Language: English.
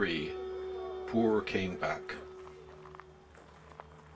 POOR CANEBACK.